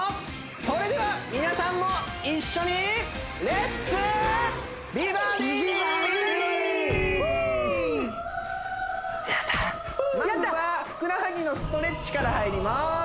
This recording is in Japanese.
それでは皆さんも一緒にまずはふくらはぎのストレッチから入ります